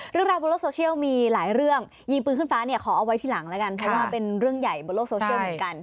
เรื่องราวบนโลกโซเชียลมีหลายเรื่องยิงปืนขึ้นฟ้าเนี่ยขอเอาไว้ที่หลังแล้วกันเพราะว่าเป็นเรื่องใหญ่บนโลกโซเชียลเหมือนกัน